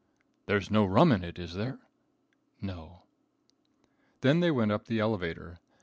"There's no rum in it, is there?" "No." Then they went up the elevator.